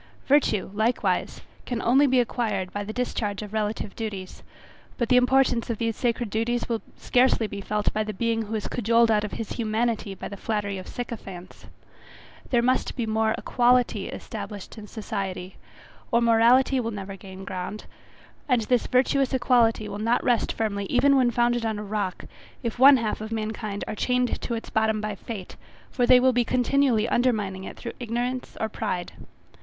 Virtue likewise can only be acquired by the discharge of relative duties; but the importance of these sacred duties will scarcely be felt by the being who is cajoled out of his humanity by the flattery of sycophants. There must be more equality established in society, or morality will never gain ground, and this virtuous equality will not rest firmly even when founded on a rock, if one half of mankind are chained to its bottom by fate, for they will be continually undermining it through ignorance or pride.